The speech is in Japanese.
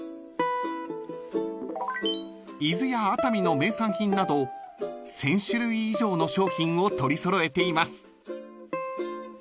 ［伊豆や熱海の名産品など１，０００種類以上の商品を取り揃えています］